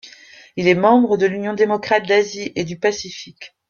Il est membre de l'Union démocrate d'Asie et du Pacifique.